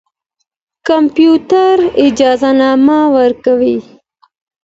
کمپيوټر اجازهنامه ورکوي.